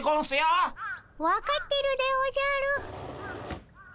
分かってるでおじゃる。